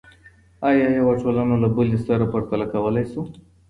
آیا یوه ټولنه له بلې سره پرتله کولی سو؟